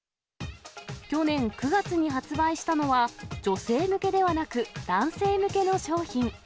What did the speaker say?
去年９月に発売したのは、女性向けではなく、男性向けの商品。